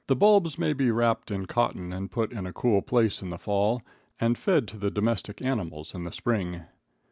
] Bulbs may be wrapped in cotton and put in a cool place in the fall, and fed to the domestic animals in the spring.